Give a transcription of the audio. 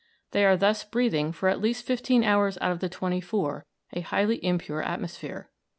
They are thus breathing for at least fifteen hours out of the twenty four a highly impure atmosphere.